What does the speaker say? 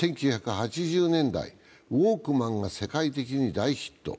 １９８０年代、ウォークマンが世界的に大ヒット。